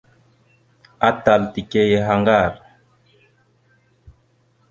Atal taka yaha ŋgar.